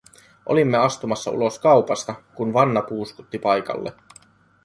Olimme astumassa ulos kaupasta, kun Vanna puuskutti paikalle.